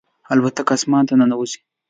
الوتکه اسمان ته ننوځي.